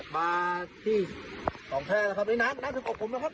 มาที่สองแพร่นะครับในน้ำน้ำถึงอบผมนะครับ